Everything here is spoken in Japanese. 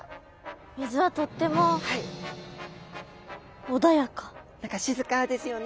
水はとっても何か静かですよね。